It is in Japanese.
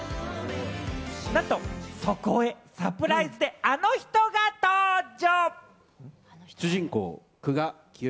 なんとそこへサプライズで、あの人が登場！